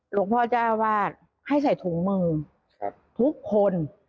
หลวงพ่อเจ้าว่าให้ใส่ถุงมือทุกคน